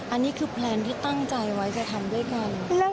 อันนี้คือแพลนที่ตั้งใจไว้จะทำด้วยกัน